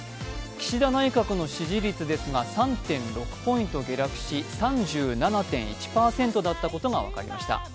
岸田内閣の支持率ですが３．６ポイント下落し３７．１％だったことが分かりました。